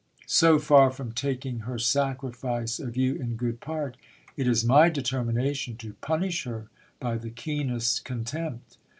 So far from taking her sacrifice of you in good part, it is my determination to punish her by the keenest contempt.